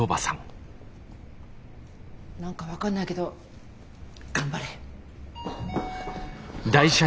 何か分かんないけど頑張れ。